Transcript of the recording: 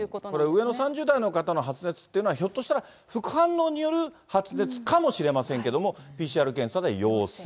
上の３０代の方の発熱というのは、ひょっとしたら副反応による発熱かもしれませんけれども、ＰＣＲ検査で陽性。